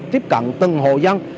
tiếp cận từng hồ dân